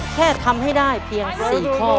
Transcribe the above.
แค่ทำให้ได้เพียง๔ข้อ